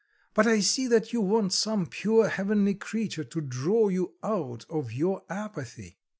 But I see that you want some pure, heavenly creature to draw you out of your apathy."